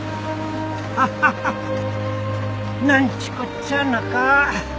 ハハハなんちこっちゃなか。